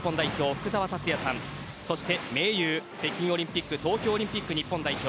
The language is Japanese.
福澤達哉さんそして盟友、北京オリンピック東京オリンピック日本代表